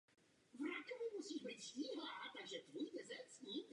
Myslím ale, že si Komise musí uvědomit jednu věc.